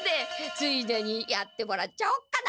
ついでにやってもらっちゃおっかな。